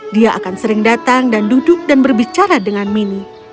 dia akan sering datang dan duduk dan berbicara dengan mini